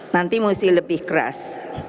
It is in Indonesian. nanti mesti lebih keras